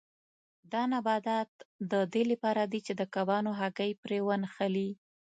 دا نباتات د دې لپاره دي چې د کبانو هګۍ پرې ونښلي.